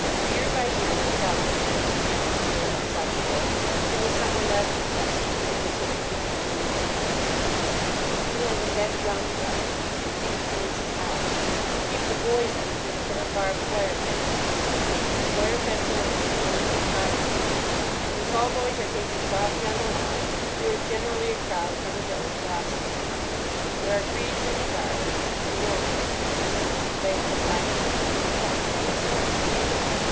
Year by year, they tell him, as the dampness wears itself away, he will suffer less and less from rheumatism, ague, and lumbago. He has a hedge round the garden; it is eighteen inches high. To keep the boys out he has put up barbed wire fencing. But wire fencing affords no real privacy. When the Talboys are taking coffee on the lawn, there is generally a crowd from the village watching them. There are trees in the garden; you know they are trees—there is a label tied to each one telling you what sort of tree it is.